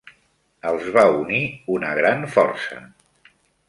Els va unir una gran força.